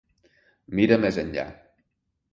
Mira més enllà.